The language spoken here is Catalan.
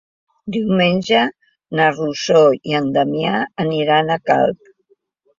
Diumenge na Rosó i en Damià aniran a Calp.